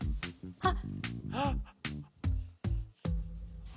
あっ。